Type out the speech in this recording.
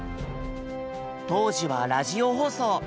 当時はラジオ放送。